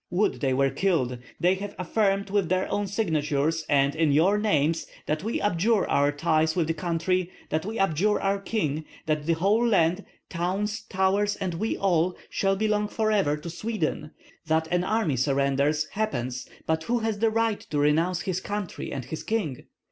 Would they were killed! They have affirmed with their own signatures and in your names that we abjure our ties with the country, that we abjure our king; that the whole land towns, towers, and we all shall belong forever to Sweden. That an army surrenders happens, but who has the right to renounce his country and his king?